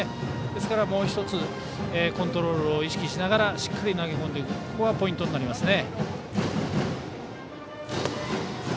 ですから、もう１つコントロールを意識しながらしっかり投げ込んでいくのがポイントになりますね。